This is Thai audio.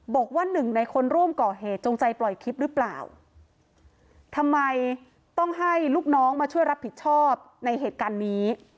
บอกว่าหนึ่งในคนร่วมก่อเหตุจงใจปล่อยคลิปหรือเปล่าทำไมต้องให้ลูกน้องมาช่วยรับผิดชอบในเหตุการณ์นี้